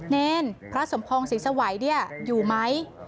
เนนพระสมพรรณศีรษะไหวอยู่ไหม